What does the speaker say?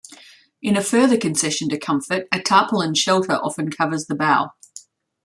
In a further concession to comfort, a tarpaulin shelter often covers the bow.